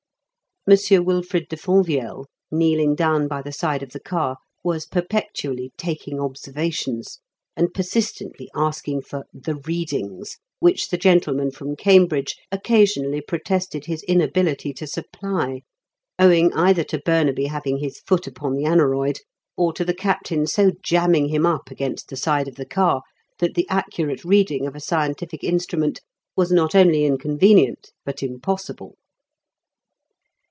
M. Wilfrid de Fonvielle, kneeling down by the side of the car, was perpetually "taking observations," and persistently asking for "the readings," which the gentleman from Cambridge occasionally protested his inability to supply, owing either to Burnaby having his foot upon the aneroid, or to the Captain so jamming him up against the side of the car that the accurate reading of a scientific instrument was not only inconvenient but impossible.